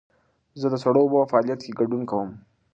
زه د سړو اوبو په فعالیت کې ګډون کوم.